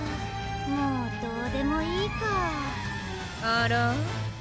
もうどうでもいいか・あら？